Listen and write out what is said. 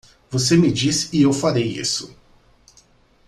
Você me diz e eu farei isso.